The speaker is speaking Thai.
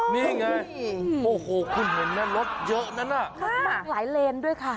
นี่ไงโอ้โหคุณเห็นไหมรถเยอะนั้นน่ะหลายเลนด้วยค่ะ